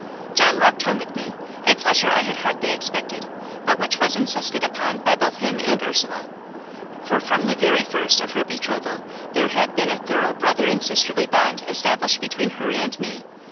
John walked home with me a pleasure I had hardly expected, but which was insisted upon both by him and Ursula. For from the very first of her betrothal there had been a thorough brother and sisterly bond established between her and me.